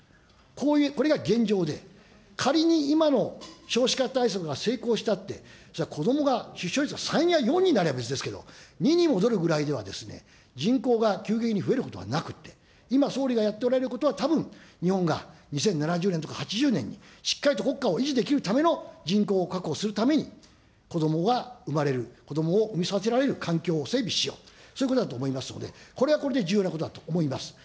これが現状で、仮に今の少子化対策が成功したって、子どもが出生率が３や４になりゃ別ですけど、２に戻るぐらいでは、人口が急激に増えることはなくって、今総理がやっておられることは、たぶん日本が２０７０年とか、８０年にしっかりと国家を維持できるための人口を確保するために、子どもが生まれる、子どもを産み育てられる環境を整備しようと、そういうことだと思いますので、これはこれで重要なことだと思います。